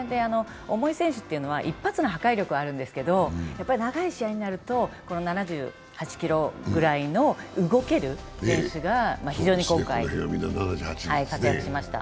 重い選手というのは一発の破壊力はあるんですけど長い試合になると７８ｋｇぐらいの動ける選手が非常に今回、活躍しました。